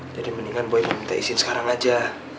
jadi mendingan boy mau minta izin sekarang aja